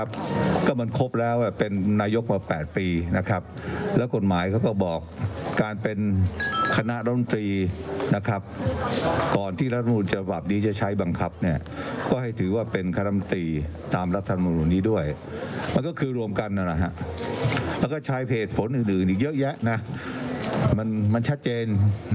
ภาษาไทยมันอ่านไปออกกันหรือไงนะครับมันง่ายง่าย